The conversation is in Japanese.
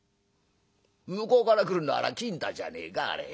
向こうから来るのはあらぁ金太じゃねえかあれええ？